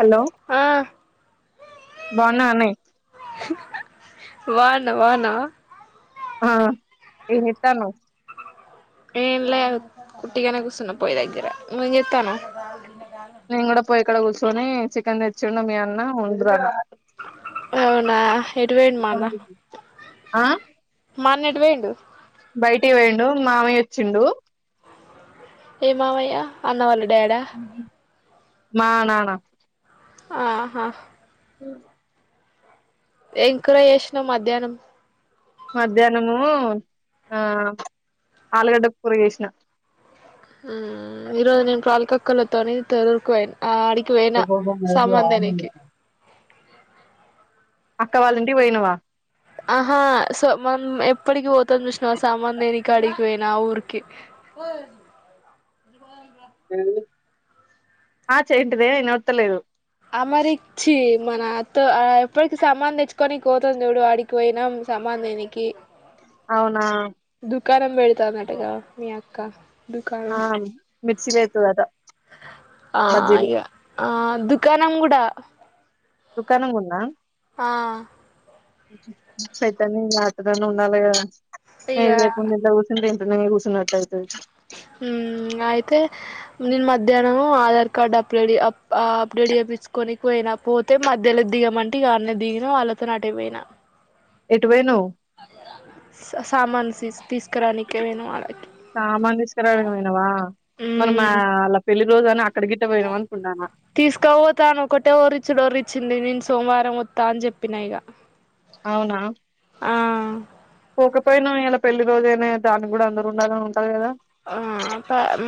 Hello ఆ బాగున్నానే వాన వానా ఆ ఏం సేత్తన్నావ్ ఏలే ఉట్టిగనే కూసున్న పోయి దగ్గర ఏంజేత్తన్నావ్ రానబ్బా నేను కూడా పోయి ఇక్కడ కూర్చుొని చికెన్ తెచ్చిండ మీ అన్న ఉండుర అవునా ఎటు పోయిండు మా అన్న ఆ మా అన్న ఎటువేండు బయటి వేయిండు మామయ్య వచ్చిండు ఏమావయ్యా అన్నవళ్ళు డేడ మానానా ఆహా ఉమ్ ఎం కుర చేసినావ్ మధ్యాహ్నం మధ్యాహ్నము ఆ ఆలుగడ్డ కూరగేసిన ఉ ఈరోజు నేను ప్రాలికి క్కలతో తెొర్కువై ఆడి పోయినా సమంతన్నికి అక్క వాళ్ళంటి పోయినవా ఆహా సో మనం ఎప్పటికి పోతాని చూసినాం సామాన్ దేనికి అడికి పోయినా ఆ ఊరికి ఆ చెంటిదే ఇనతలేదు అమరిచ్చి మన ఎప్పటికి సామాను తెచ్చుకొని పోతుంది చడు వాడికి పోయినాం సమాన్ దేనికి అవునా క్కనం పెడతాదంటగా అన్నట్టుగా మీ అక్క దుకాణం ఆ మిర్చి లా ఎత్తాదట ఆ బజ్జీలు ఇగ ఆ దుః కాణం గూడ దుకాణం కూడా నా ఆ పెద్దనీ రాత్రి అన్న ఉండాలి కదా ఇగ ఏది లేకుండా ఇట్ల కూసుంటే టనే కూసుంనట్ట అయితది హుమ్ అయితే నేను మధ్యాహ్నము ఆధార్ కార్డు అప్డేడ్ప్ అప్డేట్ చేయిించుకని పోయినా పోతే మధ్యలో దిగామంటే ఇ అన్న దిగిన వాళ్ళతో నటేపోయినా ఎటు వోయినావు సామాను సి సి తీస్ తీసుకురానికే పోయినం ఆడకి సామాను తీసుకురా డానీకి పోయినావ మన మా అలా పెళ్లిి రోజు అన్ ట్ తీసుక పోతాను ఒకటే వరిచ్చుడు వరిచ్చింది మీన్స్ సోమవారం వత్తా అని చెప్పినాయిక అవునా పోకపోయినా ఇలా పెళ్లి రోజైనా దాన్ని కూడా అందరు ఉండాల ఆ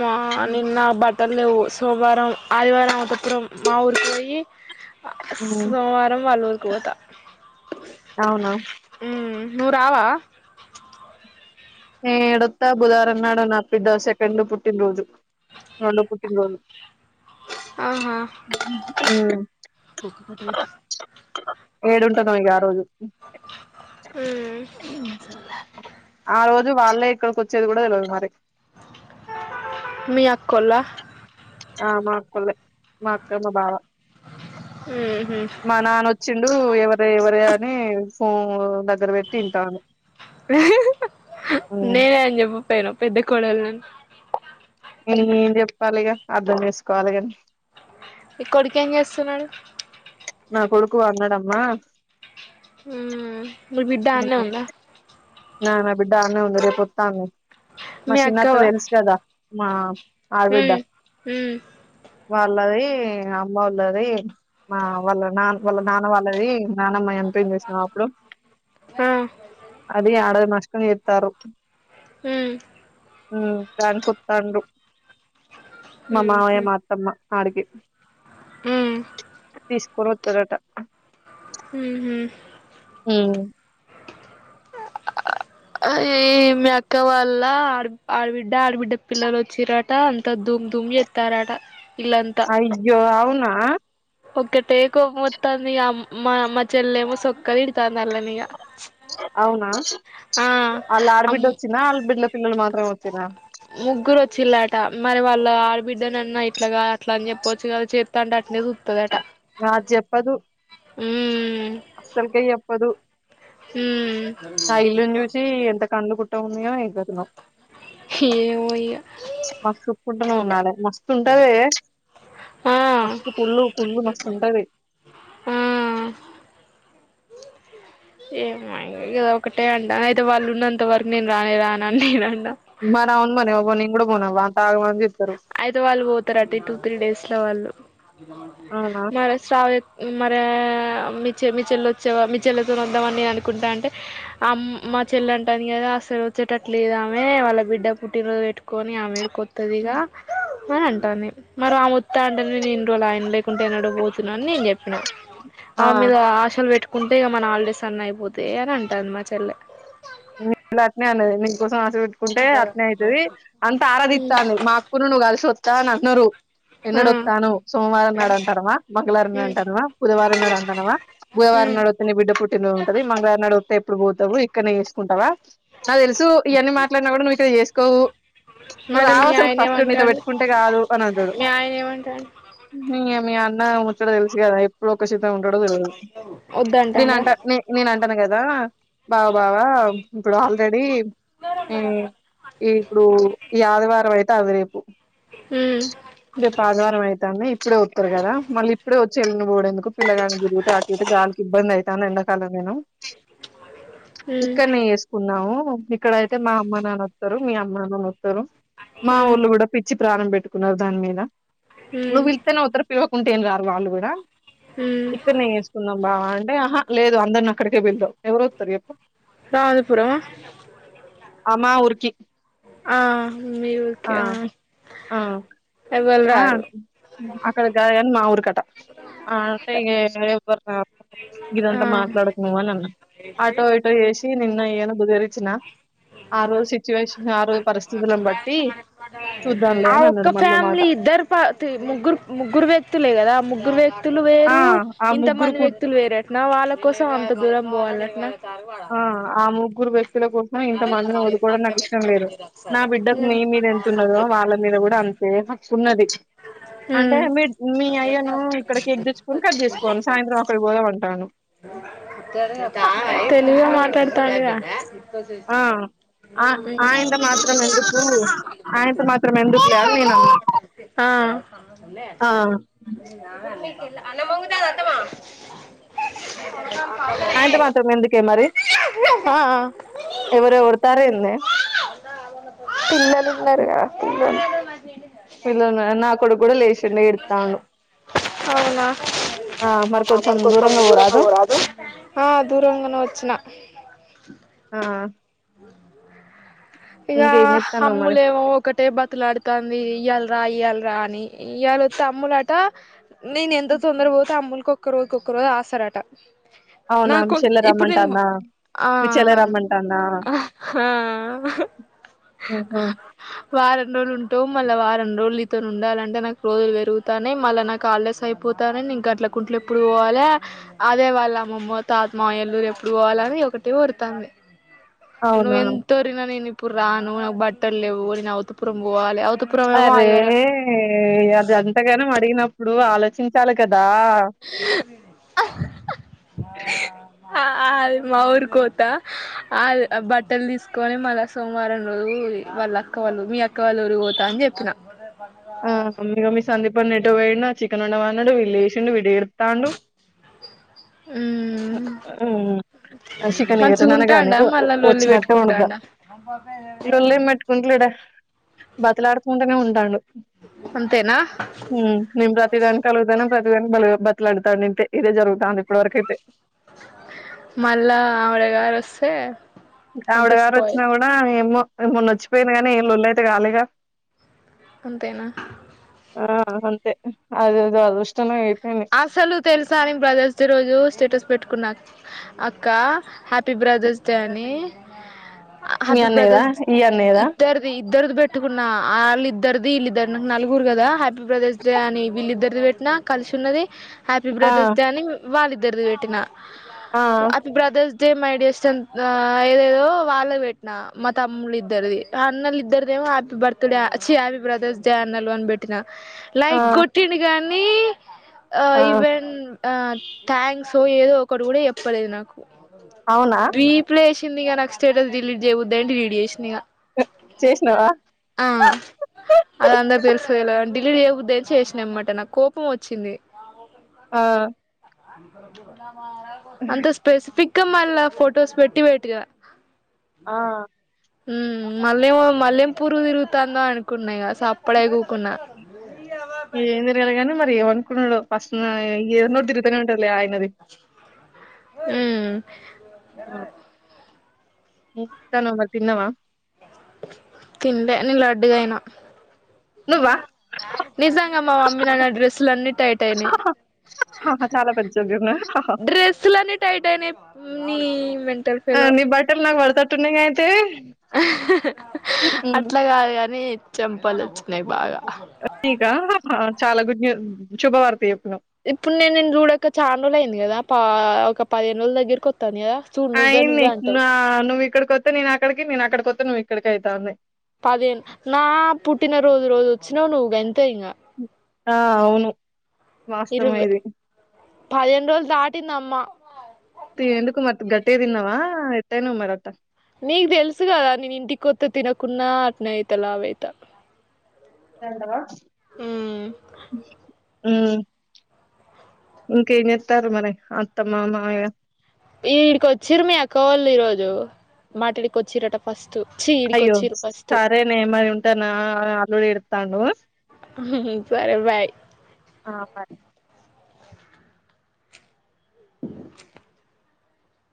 మా నిన్న బట్ టల్ల లేవు సోమవారం ఆదివారం అంతఃపురం మా ఊరుకి పోయి ఉమ్, సోమవారం వాళ్ళు ఊ కోత అవునా హుమ్ నువు రావ నే ఎడొస్తా బుధవారం అన్నాడు నా బిడ్డ సెకండ్ పుట్టిన రోజు రెండో పుట్టినరోోజు ఆహా హూ ఏడుంటా దో ఇగా ఆ రోజు హుమ్ ఇ సా జు వాళ్లే ఇక్కడికోచ్చేది గూడా తెలవదు మరి మీ అక్కోల్ల ఆ మా అక్కొల్లె. మా అక్క మా బావ ఉహు మా నాన్నొచ్చిండు ఎవరే ఎవరే అ నీ ఫోంగ్ దగ్ ఉమ్, నేనే అన్ చెబు పెను పెద్ద కోడల్ననీ ఎ నేనేం జెప్పాలిగ అర్ధం చేసుకోవాలి గాన్ నీ కొడుకు ఏం చేస్తున్నాడు నా కొడుకు అన్నాడంమ్మా హ్మ్ మీ బిడ్డ అన్నే ఉందా నా నా బిడ్డ అన్నే ఉన్నది రేపోతాంది మ షిన్నత్త తెలుసు గదా మా హు ఆడబిడ్డ హు వాళ్ళది అమ్ములది మా వాళ్ళ నాన్ వాళ్ళ నాన్న వాళ్ళది నానమ్మ ఎంత్ పెన్జేసిన అప్పుడు ఆ ఎ ఆడ నష్టం ఎత్తారు హ్మ్ హూ దాన్ సోప్తండ్రు మా మావయ్య మా అత్తమ్మ అడికే మ్ కోరోత్తరాట హు హూ ఉ అ ఈ మీ అక్క వాళ్ళ ఆడిబ్ ఆడబిడ్డ, ఆడబిడ్డ పిల్లలు వచ్చిర్రట ధూమ్ ధూమ్ ఎత్తారట అయ్యో అవున్ నా ఒక్కతే కోపమొత్తంది ఆమ్ మా మా చెల్లెమ్మ సోక్కా తిడతాంది వల్లనిగా అవునా అళ్ళ అమ్ ఆడబిడ్డొచ్చినా ఆళ్ బిడ్ల పిల్లోలు మాత్రమే వచ్చిర్రా ముగ్గురు వచ్చిళ్ళట మరి వాళ్ళ ఆడబిడ్డనన్న ఇట్లాగా అట్లా అన్ జెప్పొచ్చు గదా చెప్తాండా అట్ నా జెప్పదు అస్సలుకే యోప్పుదు ఇల్లుని చూసి ఎంత కండ్లు హ్మ్ కుట్ట ఉన్నయో ఏం కథనో ఏమో ఇగ మాకు చూప్పుకుంటూనే ఉన్నారు మస్తు ఉంటది గద ఆ మస్తు కుళ్ళు కుళ్ళు మస్తు ఉంటంది ఏ ఒకటే అండ అయితే వాళ్ళు ఉన్నంత వరకు నేను రానే రాన నేను మర అవును మరి ఒబో ని కూడా వన వాంతాగవన్నిస్ అయితే వాళ్ళు పోతారు అట టూ త్రీ డేస్ లో వాళ్ళు అ అవునా మరె శ్రావిద్ మరె మీ చెల్లి వచ్చే మీ చెల్లెతో వద్దామని అనుకుంటాంటే అమ్ మా చెల్లె అంటాందికదా, అసలు వచ్చేటట్ లేదు ఆమె వాళ్ళ బిడ్డ పుట్టినరోజు పెట్టుకొని ఆమె ఎడుకొ, తిదిగా అని అంటాంది మరి ఆయన వత్తా అంటే న నేను ఇన్ని రోజుల ఆగిన లేకుంటే ఎనడు పోతున్నా అని నేను చెప్ ఆ ఆమె ద ఆశల్ పెట్ కుంటే ఇ మన హాలిడేస్ అన్న అయిపోతే అని అంటాంది మా చెల్లె మీ అట్నే అన్నది నీ కోసం నువ్వెట్టుకుంటే అట్నే అయితది అంత ఆరాదితాన్ది మా అకును నువ్వు కలిసి వా చాన అంటున్నరు ఎన్నడు ఆ వత్తానవ్ సోమవారం అంటనవా, మంళవారం అంటనవా, బుధవారం నాడు అంటనవా, బుధవారం ఉమ్ నాడు వత్తే నీ బిడ్డ పుట్టిన ఉంటది, మంగళారం నాడు వత్తే ఇపుడు పోతవు ఎక్కన్న చేస్ కుంటవా నా తెలుసు ఇవన్నీ మాట్లాడినా కూడా మేసేజ్ చేస్ కొవ్వు నువ్వు మరి రావు మీ అసలు ఆయన ఫస్ట్ నీతో ఏమంటాడు పెట్టుకుంటే కాదు అని అంటడు మీ ఆయన ఏమంటాడు మీ అన్న ముచ్చట తెలుసు కదా ఎప్పు కొసెతం ఉండడం జరదు నేను వద్దంటాడా అంటా నే నేను అంటాను కదా బావ బావా ఇప్పుడు ఆల్రెడీ ఈ ఈ ఇప్పుడు ఈ ఆదివారం అయి తది రేపు ఉమ్ రేపు ఆదివారం అయితంది ఇప్పుడే వత్తరు కదా మళ్ళీ ఇప్పుడే వ చెల్లు పోడేందుకు పిల్లగానికి తిగుత ఆటికీటికి గాలికి ఇబ్బంది అవుతాంది ఎండాకాలం మనం ఉమ్ ఇక్కన్నే వేసుకున్నాము ఇక్కడయితే మా అమ్మ నాన్న వత్తరు మీ అమ్మ నానా లు తరు మా ఉమ్ వొళ్ళు కూడా పిచ్చి ప్రాణం పెట్టుకున్నారు దాని మీద నువ్వు ఉమ్ పిలిస్తేనే పోతారా పిలువకుంటే ఏం రారు వాళ్ళు కూడా ఉమ్ ఇక్కడనేే చేేసుకుందాం బావ అని అంటే ఆహా లేదు అందరిని అక్కడికే పిలుదాం ఎవరు వస్తారు చెప్పు రాజపురమా అమ్మ ఊరికి ఆ ఇంక ఆ ఆ ఎమ్ ఆ అక్కడ గదు కానీ మ్మ అ ఆ అంటే ఇక నేలేవ్ ఎవరు రారు ఆ ఇదంతా మాట్లాడకు నువ్వు అన్నా ఆటో ఇటో చేేసి నిన్న ఏన ద్దూన ఆ రోజు సిచ్యువేషన్ ఆ రోజు పరిస్థితులను బట్టి చూద్దాంలే అని అన్నాడు మళ్ళ మాట త తి ముగ్గురు ముగ్గురు వ్యక్తులే కదా ముగ్గురు వ్యక్తి వ్యక్తులు ఆ వేరు ఆ ఇంత ముగ్గురు మంది కు వ్యక్తులు వేరటన వాళ్ళ కోసం అంత దూరం పోవాలటన ఆ ఆ ముగ్గురు వ్యక్ వ్యక్తుల కోసమో ఇంత మంది ని వదుకోవడం నాకు ఇష్టం లేదు నా బిడ్డకు మీ ఉమ్ మీద ఎంత ఉన్నదో వాళ్ళ మీద కూడా అంతే హక్కున్నది అంటే ఉమ్ మీ మీ అయ్యను ఇక్కడ కేక్ తెచ్చుకని కట్ చేసుకోవను సాయంత్రం అక్కడకు పోదామంటునాడు నువ్వే మాట్లాడుతావుగా ఆ ఆయంత మాత్రం ఎందుకు ఆయంత మాత్రం ఎందుకులే అని నేను అన్న అన్నే అన్నా అన్నమంగట అది అంటమా ఆయనతో మాత్రమే ఎందుకే మరి ఆ ఎవరు ఓర్తారెందే నేనే పిల్లల నా కొడుకు ఏడుత్తాండు మరి కొంచెం దూరంగా పోరాదు ఆ ఇగా ఇంకేం చేత్తన్నావ్ మరి అమ్ములేమో ఒకటే బ్రతులాడుతుంది ఇయ్యాల్ రాయల్ రాణి ఈయాల తమ్ముడట నేనెంత తొందర పోతే అమ్ములుకొక్ ఒక్కరికొకరు ఆసరాట అవునా మీ నాకు చెల్లె ఇప్పుడు నేను రమ్మంటాందా ఆ మీ చెల్లె రమ్మంటాందా హా ఆహా వారం రోజులు ఉంటావ్ మళ్ళ వారం రోజులు నీతోని ఉండాలం నాకు రోజులు పెరుగుతానయి మళ్ళా నాకు హాలిడేస్ అయిపోతనయ్ నేను గడ్లకుంట్ల ఎప్పుడు పోవాలె అదే వాళ్ళ అమ్మమ్మ తాత్ మామయోల్లురు ఎప్పుడు పోవాల అని ఒకటే వోరుతాంది అవునా నువ్వెంతోరీన నేనిప్ ఇప్పుడు రాను నాకు బట్టలు లేవు నేను అవతుపురం పోవాలే అవ్ అరే అది అంతగానం అడిగినప్పుడు ఆలోచించాల గ్ దా ఆ అది మా ఊరి కోత అది బట్టలు తీసుకొని మళ్ళా సోమవారం రోజు వాళ్ళ అక్క వాళ్ళు మీ అక్ అక్క వల ఉరికిపోత అని చెప్పిన ఆ మమ్మి మమ్మీ సందీప అన్న ఎట్ నువ్వేనో చికన్ వండమానడు వీడు లేచిండు విడేడుతాండు చికన్ ఎట్నన్న గాని మంచిగుంటాండా వో మళ్ళా లొల్లి వోచ్చినట్టే వండుతా పెట్టుకుంటాండా ఇళ్ళె ముట్టుకుంటలేడె బతిలాడుకుంటనే ఉంటాడు అంతేనా ప్రతిదాని అలుగుతనా ప్రతిదానికి బాల్ బతీలాడతాండు ఇంతే ఇదేజరుగుతాంది ఇప్పటివరకైతే మళ్ళా ఆవిడ గారు ఓస్తే ఆవిడ గారు వచ్చినా కూడా ఏమో మెున్న వచ్చిపోయింది కానీ లొల్లైతే కా గాలేగా అంతేనా ఆ అంతే అదేదో అదుృష్టమే అసలు తెలుసా అని బ్రదర్స్ డే రోజు స్టేటస్ పెట్టుకున్నా అక్క హ్యాప్ పి బ్రదర్స్ డే అని మీ హ్యాపీ అన్నయ్యదా బ్రదర్స్ ఈ అన్నయ్యదా ఇద్దరిది ఇద్దరిది బెట్ అట్టుకున్న అల్ ఇద్దరిది వీళ్ళిద్దర్ నాకు నలుగురు కదా పి బ్రదర్స్ డే అని విళ్లీద్దర్ ఇదివేట్నా కలిసి తున్నది హ్యాపీ ఆ బ్రదర్స్ డే అని వాళ్ళి ఇదర్దీ వేటినా ఆ ఆపి బ్రదర్స్ సేమ్ ఐడియస్టన్ ఆ ఏదేదో వాళ్ళకు పెట్టినా మా తమ్ముళ్ళిద్దరిది ఆ అన్నలిద్దరిదేమో హ్యాపీ బర్త్డేచ్చి హ్యాపీ బ్రదర్స్ డే అన్నలు అని పెట్టినా ఆ లైక్ గొట్టిండి గా నీ ఆ ఇవెన్ ఆ థ్యాంక్స్ ఏదో ఒకటి కూడా చెప్పలేదు నాకు అవునా బీ ప్లేష్ ందిగా నాకు స్టేటస్ డిలీట్ చెయ్ బుద్దైంది లీట్ చేషినిగ చేస్నావా అది అందరు తెలుసులా డిలీట్ చేయ్బుద్దై చేష్నెమ్మట నాక్కోపం ఓ చ్చింది ఆ అంతే స్పెసిఫిక్ ఇంకా మళ్ళా ఫొటోస్ పెట్టి పెటుగా ఆ మ్ మళ్ళేమో మళ్ళేం పురుగుతిరుగుతాందో అనుకున్నా ఇగ సప్పుడైగూకున్నా ఇది ఏందిరిలాగాని మరి ఇవన్ ఫుల్లో ఫస్ నో ఏందో తిరుగుతనే ఉంటదిలే ఆయనది మ్ [inaudible] తిన్నవా తిండే నే లడ్డుగయినా నువ్వా మా మమ్మీ నాన్న డ్రెస్సులన్నీ టైట్ అయినాయి చాలా పెద్ద జోక్ చెప్పా హా హా డ్రెస్సులన్నీ టైట్ అయినాయి నీ మెంటల్ ఫెలో నీ బట్టలు నాకు పడతట్టున్నాగా అయితే హ్ హు హ్మ్. అట్లా కాదు కాని చెంపలు కున్నయ్ బాగా [unintelligible] ఇగ ఆహా చాలా గుడ్ న్యూ శుభవార్త చెప్నావ్ ఇప్పుడు నేన్ నిన్ చూడక చాన్ రోజులు అయింది కదా పా ఒక పదిహేను రోజుల దగ్గరికొత్తాంది కదా చూడు ఆ నువ్వే ఏంది నువ్వే అంటావు నా నువ్విక్కడికొత్తే నేనక్కడికి నేనక్కడికొత్తే నువ్ ఇక్కడకైతా ఉంది పదిహేను నా పుట్టిన రోజు రోజొచ్చినావు నువ్ గం తే ఇంగ ఆ అవును వాస్తవమే ఇరువె ఇది పదిహేను రోజులు దాటిందమ్మా తే ఎందుకు మరి గట్టిదిన్నవ ఎత్తాయినవ మరట్ట నీకు తెలుసు కదా నేను ఇంటి కొత్త తినకున్నా అట్నే అయిత లావయిత ఎంటవా అ ఉమ్ ఇంకెత్తారు మరి అత్తమ్మ మాయ ఈడికి వచ్చిరు మీయక్కవోళు ఈ రోజు మాట్లాడి కి వచ్చిరట ఫస్ట్ చీ ఈడికి అయ్యో వచ్చిరు ఫస్ట్ సరేలే మరి ఉంటాను అల్లుడు ఎడత్తాండు సరే బాయ్ ఆ బాయ్